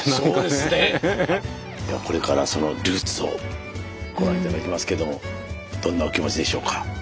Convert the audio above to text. ではこれからそのルーツをご覧頂きますけどもどんなお気持ちでしょうか？